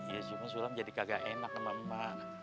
ya cuma sulam jadi kagak enak sama emak